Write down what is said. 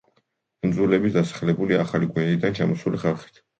კუნძულები დასახლებულია ახალი გვინეიდან ჩამოსული ხალხით.